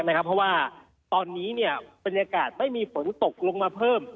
เพราะว่าตอนนี้บรรยากาศไม่มีฝนตกลงมาเพิ่ม